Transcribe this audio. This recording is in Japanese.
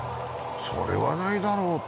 それはないだろうって。